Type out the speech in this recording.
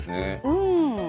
うん。